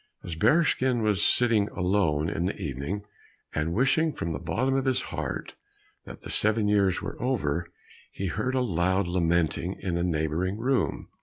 As Bearskin was sitting alone in the evening, and wishing from the bottom of his heart that the seven years were over, he heard a loud lamenting in a neighboring room.